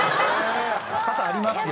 「傘ありますよ」